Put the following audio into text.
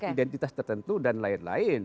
identitas tertentu dan lain lain